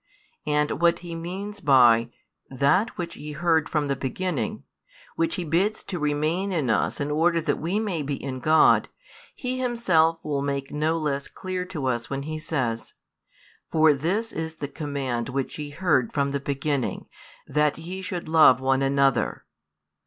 And what he means by "that which ye heard from the beginning," which he bids to remain in us in order that we may be in God, he himself will make no less clear to us when he says: For this is the command which ye heard from the beginning, that ye should love one another.